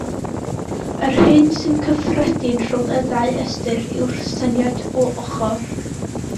Yr hyn sy'n gyffredin rhwng y ddau ystyr, yw'r syniad o ochr.